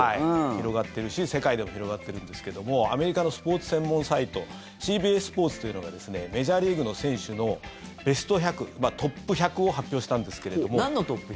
広がっているし世界でも広がってるんですけどもアメリカのスポーツ専門サイトＣＢＳスポーツというのがメジャーリーグの選手のベスト１００トップ１００を発表したんですけれども。